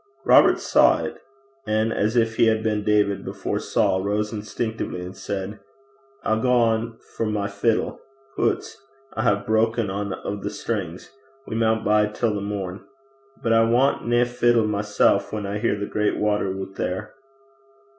Robert saw it, and as if he had been David before Saul, rose instinctively and said, 'I'll gang for my fiddle. Hoots! I hae broken ane o' the strings. We maun bide till the morn. But I want nae fiddle mysel' whan I hear the great water oot there.'